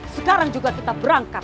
sekarang juga kita berangkat